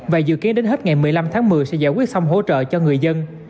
và dự kiến đến hết ngày một mươi năm tháng một mươi sẽ giải quyết xong hỗ trợ cho người dân